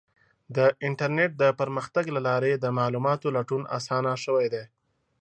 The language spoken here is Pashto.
د انټرنیټ د پرمختګ له لارې د معلوماتو لټون اسانه شوی دی.